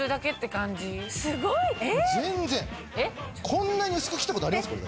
こんなに薄く切ったことあります？